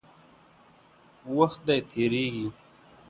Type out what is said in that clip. وخت دی، تېرېږي.